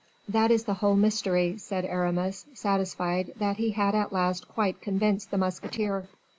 "That is the whole mystery," said Aramis, satisfied that he had at last quite convinced the musketeer.